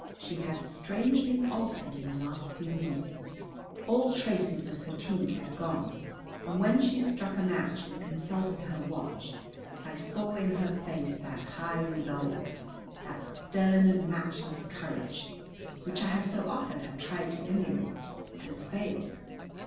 She had strangely altered in the last few minutes. All traces of fatigue had gone, and when she struck a match and consulted her watch I saw in her face that high resolve, that stern and matchless courage, which I so often have tried to emulate and failed.